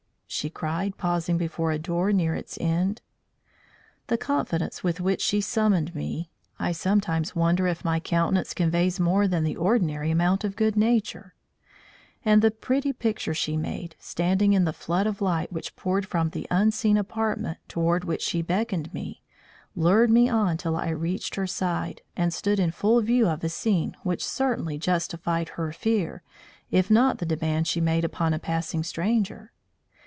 she cried, pausing before a door near its end. The confidence with which she summoned me (I sometimes wonder if my countenance conveys more than the ordinary amount of good nature) and the pretty picture she made, standing in the flood of light which poured from the unseen apartment toward which she beckoned me, lured me on till I reached her side, and stood in full view of a scene which certainly justified her fear if not the demand she made upon a passing stranger.